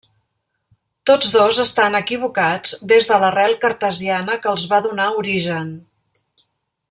Tots dos estan equivocats des de l'arrel cartesiana que els va donar origen.